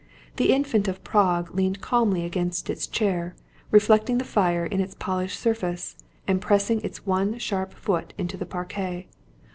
The Infant of Prague leaned calmly against its chair, reflecting the fire in its polished surface, and pressing its one sharp foot into the parquet.